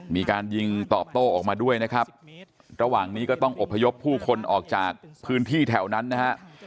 มีการยิงตอบโต้ออกมาด้วยนะครับระหว่างนี้ก็ต้องอบพยพผู้คนออกจากพื้นที่แถวนั้นนะฮะ